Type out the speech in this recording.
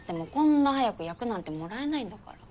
こんな早く役なんてもらえないんだから。